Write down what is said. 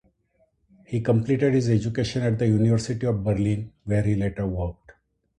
He completed his education at the University of Berlin, where he later worked.